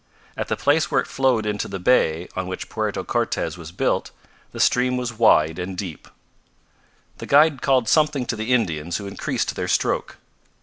At the place where it flowed into the bay on which Puerto Cortes was built, the stream was wide and deep. The guide called something to the Indians, who increased their stroke.